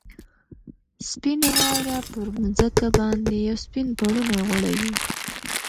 سپینه واوره پر مځکه باندې یو سپین پړونی غوړوي.